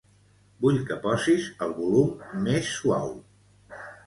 Vull que posis el volum més suau.